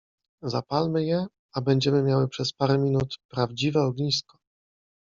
— Zapalmy je, a będziemy miały przez parę minut prawdziwe ognisko.